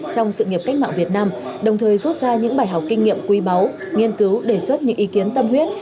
trong sự nghiệp cách mạng việt nam đồng thời rút ra những bài học kinh nghiệm quý báu nghiên cứu đề xuất những ý kiến tâm huyết